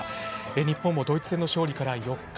日本もドイツ戦の勝利から４日。